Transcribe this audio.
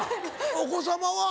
お子様は？